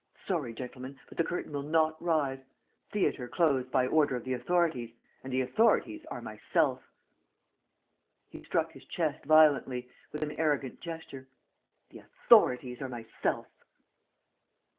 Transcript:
Sorry, gentlemen, but the curtain will not rise. Theatre closed by order of the authorities. And the authorities are myself!" He struck his chest violently, with an arrogant gesture: "The authorities are myself!"